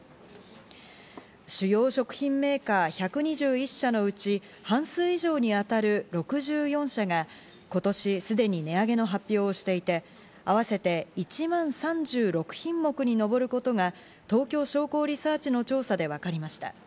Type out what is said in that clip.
主要食品メーカー１２１社のうち、半数以上に当たる６４社が今年すでに値上げの発表していて、合わせて１万３６品目に上ることが東京商工リサーチの調査でわかりました。